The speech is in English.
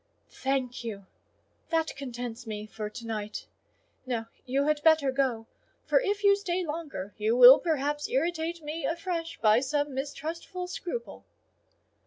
"Thank you: that contents me for to night. Now you had better go; for if you stay longer, you will perhaps irritate me afresh by some mistrustful scruple."